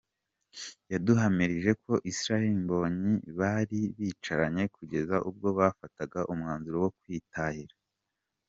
Yaduhamirije ko Israel Mbonyi bari bicaranye kugeza ubwo bafataga umwanzuro wo kwitahira.